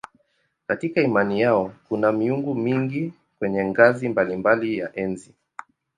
Katika imani yao kuna miungu mingi kwenye ngazi mbalimbali ya enzi.